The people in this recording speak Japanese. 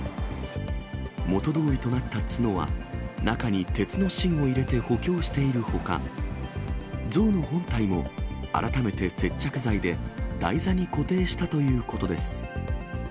元通りとなった津野は、中に鉄の芯を入れて補強しているほか、像の本体も改めて接着剤で台座に固定したということです。